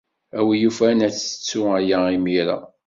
A win yufan ad tettu aya imir-a.